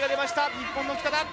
日本の北田。